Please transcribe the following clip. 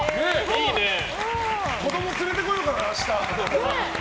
子供連れてこようかな、明日。